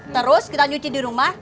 terus kita nyuci di rumah